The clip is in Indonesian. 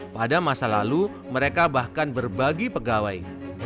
pada masa lalu mereka bahkan berbagi pegawai